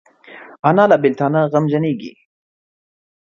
انا له بیلتانه غمجنېږي